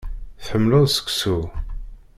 Tḥemmleḍ seksu.